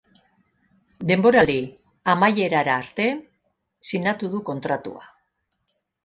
Denboraldi amaierara arte sinatu du kontratua.